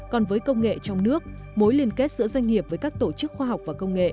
còn với công nghệ trong nước mối liên kết giữa doanh nghiệp với các tổ chức khoa học và công nghệ